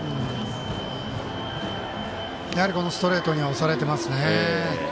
やはりストレートに押されていますね。